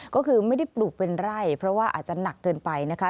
ก็คือไม่ได้ปลูกเป็นไร่เพราะว่าอาจจะหนักเกินไปนะคะ